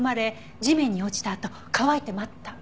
地面に落ちたあと乾いて舞った。